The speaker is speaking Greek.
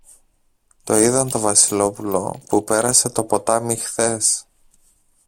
Το είδαν το Βασιλόπουλο που πέρασε το ποτάμι χθες